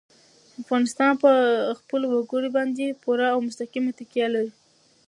افغانستان په خپلو وګړي باندې پوره او مستقیمه تکیه لري.